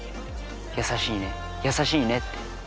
優しいね優しいねって。